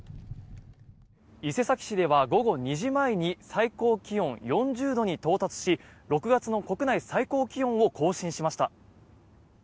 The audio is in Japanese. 伊勢崎市では午後２時前に最高気温４０度に到達し６月の国内最高気温を更新しました。